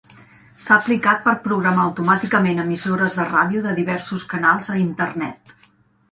S'ha aplicat per programar automàticament emissores de ràdio de diversos canals a Internet.